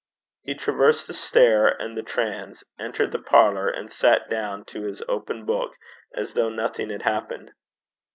He traversed the stair and the transe, entered the parlour, and sat down to his open book as though nothing had happened.